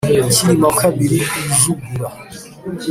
cyilima wa kabiri rujugura